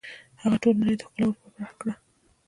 هغه ټولې نړۍ ته ښکلا ور په برخه کړه